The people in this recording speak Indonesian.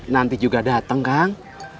nanti juga datang kang